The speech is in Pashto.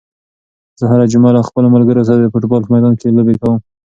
زه هره جمعه له خپلو ملګرو سره د فوټبال په میدان کې لوبې کوم.